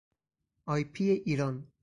آی پی ایران